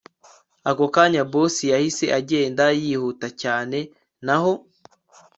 Ako kanya boss yahise agenda yihuta cyane naho